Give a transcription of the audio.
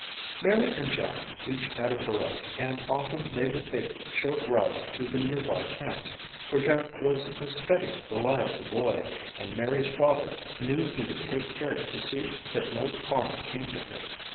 Mary and Jack each had a burro and often they would take short rides to the nearby camps, for Jack was a steady, reliable boy and Mary's father knew he would take care to see that no harm came to her.